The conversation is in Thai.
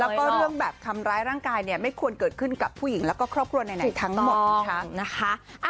แล้วก็เรื่องแบบทำร้ายร่างกายเนี่ยไม่ควรเกิดขึ้นกับผู้หญิงแล้วก็ครอบครัวไหนทั้งหมดอีกครั้งนะคะ